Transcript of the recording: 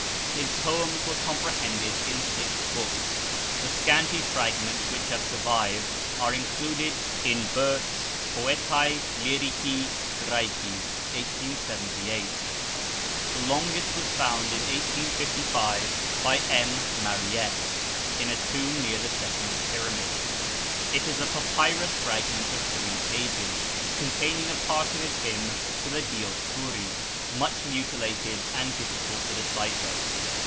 His poems were comprehended in six books. The scanty fragments which have survived are included in Bergk's 'Poetae Lyrici Graeci' (1878). The longest was found in 1855 by M. Mariette, in a tomb near the second pyramid. It is a papyrus fragment of three pages, containing a part of his hymn to the Dioscuri, much mutilated and difficult to decipher.